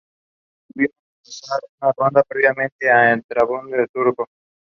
Trun (settlement) is the nearest rural locality.